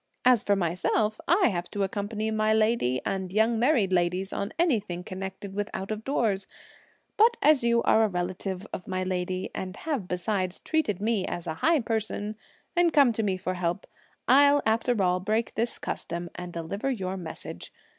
As for myself, I have to accompany my lady and young married ladies on anything connected with out of doors; but as you are a relative of my lady and have besides treated me as a high person and come to me for help, I'll, after all, break this custom and deliver your message.